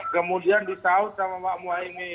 kemudian disaut sama pak muhaimin